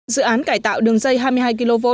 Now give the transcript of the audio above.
dự án cải tạo đường dây hai mươi hai kv